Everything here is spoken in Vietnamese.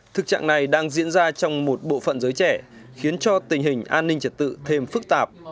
thực trạng này đang diễn ra trong một bộ phận giới trẻ khiến cho tình hình an ninh trật tự thêm phức tạp